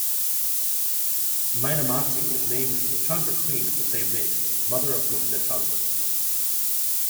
Mainamati is named for the Chandra queen of the same name, mother of Govindachandra.